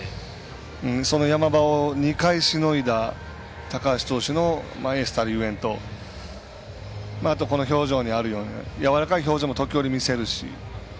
その山場を２回しのいだ高橋投手のエースたるゆえんと表情にあるようにやわらかい表情も時折、見せるし。